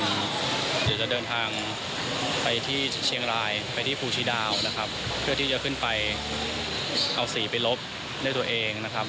เดี๋ยวจะเดินทางไปที่เชียงรายไปที่ภูชีดาวนะครับเพื่อที่จะขึ้นไปเอาสีไปลบด้วยตัวเองนะครับ